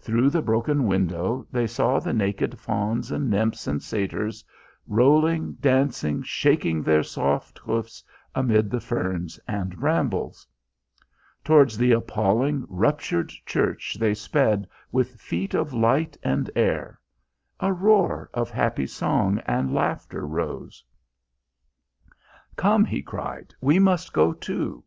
Through the broken window they saw the naked fauns and nymphs and satyrs rolling, dancing, shaking their soft hoofs amid the ferns and brambles. Towards the appalling, ruptured church they sped with feet of light and air. A roar of happy song and laughter rose. "Come!" he cried. "We must go too."